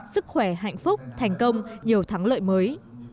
sức khỏe hạnh phúc thành công nhiều thắng lợi mới